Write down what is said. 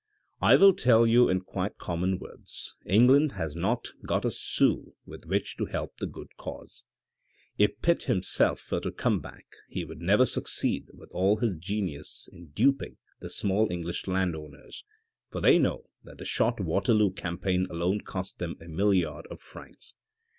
" I will tell you in quite common words : England has not got a sou with which to help the good cause. If Pitt himself were to come back he would never succeed with all his genius in duping the small English landowners, for they know that the short Waterloo campaign alone cost them a milliard of francs.